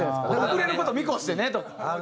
遅れる事見越してねとか。